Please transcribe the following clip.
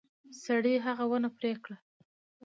سړي هغه ونه پرې کړه.